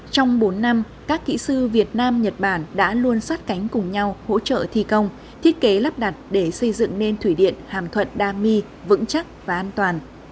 trong bốn năm các kỹ sư việt nam nhật bản đã luôn sát cánh cùng nhau hỗ trợ thi công thiết kế lắp đặt để xây dựng nên thủy điện hàm thuận đa my vững chắc và an toàn